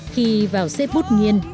khi vào xếp bút nghiên